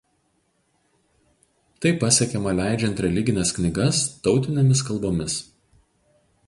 Tai pasiekiama leidžiant religines knygas tautinėmis kalbomis.